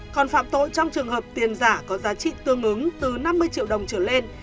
còn phạm tội trong trường hợp tiền giả có giá trị tương ứng từ năm mươi triệu đồng trở lên